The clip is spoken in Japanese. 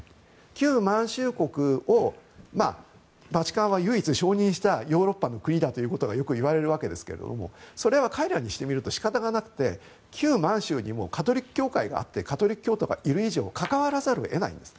旧満州国をバチカンは、唯一承認したヨーロッパの国だということがよくいわれるわけですがそれは彼らにしてみると仕方がなくて旧満州にもカトリック教会があってカトリック教徒がいる以上関わらざるを得ないんです。